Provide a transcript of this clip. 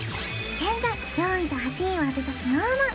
現在４位と８位を当てたＳｎｏｗＭａｎ